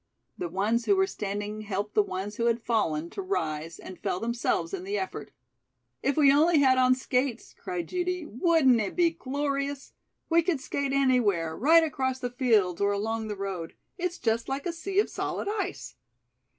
The ones who were standing helped the ones who had fallen to rise and fell themselves in the effort. "If we only had on skates," cried Judy, "wouldn't it be glorious? We could skate anywhere, right across the fields or along the road. It's just like a sea of solid ice."